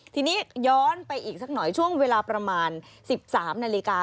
ทีนี้ย้อนไปอีกสักหน่อยช่วงเวลาประมาณ๑๓นาฬิกา